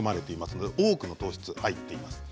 多くの糖質が入っています。